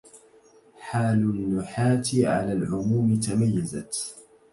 حال النحاة على العموم تميزت